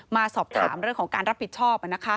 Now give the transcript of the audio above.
มาสอบถามเรื่องของการรับผิดชอบ